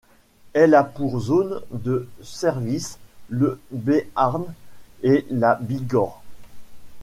Elle a pour zone de service le Béarn et la Bigorre.